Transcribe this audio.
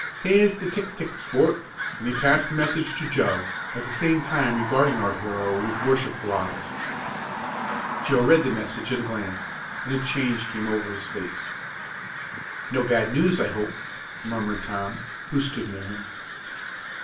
Here's de tick tick, sport," and he passed the message to Joe, at the same time regarding our hero with worshipful eyes. Joe read the message at a glance, and a change came over his face. "No bad news, I hope," murmured Tom, who stood near him.